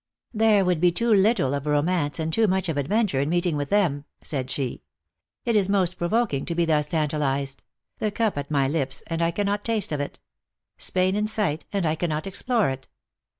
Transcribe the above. " There would be too little of romance and too much of adventure in meeting with them," said she. " It is most provoking to be thus tantalized ; the cup at my lips, and I cannot taste of it ; Spain in sight, and I cannot explore it.